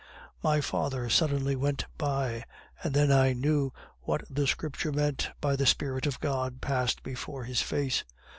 "My father suddenly went by, and then I knew what the Scripture meant by 'The Spirit of God passed before his face.